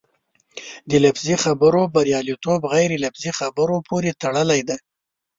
د لفظي خبرو بریالیتوب غیر لفظي خبرو پورې تړلی دی.